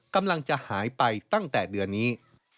กำลังจะหายไปตั้งแต่เดือนนี้